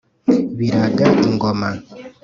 biraga ingoma,